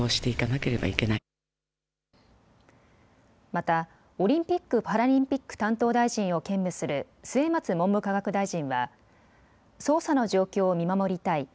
またオリンピック・パラリンピック担当大臣を兼務する末松文部科学大臣は捜査の状況を見守りたい。